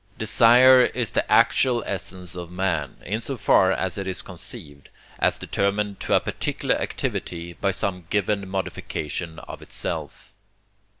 Desire is the actual essence of man, in so far as it is conceived, as determined to a particular activity by some given modification of itself.